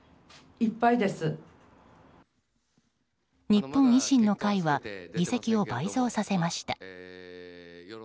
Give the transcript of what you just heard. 日本維新の会は議席を倍増させました。